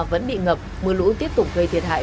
vẫn bị ngập mưa lũ tiếp tục gây thiệt hại